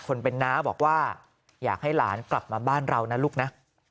คนเป็นน้าบอกว่าอยากให้หลานกลับมาบ้านเรานะลูกนะ